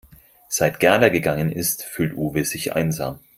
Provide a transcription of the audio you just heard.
Seit Gerda gegangen ist, fühlt Uwe sich einsam.